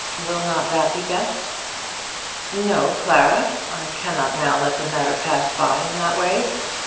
Will not that be best?" "No, Clara. I cannot now let the matter pass by in that way.